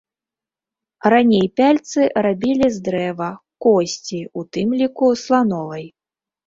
Раней пяльцы рабілі з дрэва, косці, у тым ліку слановай.